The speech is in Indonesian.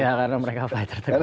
ya karena mereka fighter terkenal